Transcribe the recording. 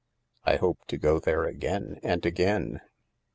I hope to go there again and again.